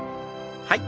はい。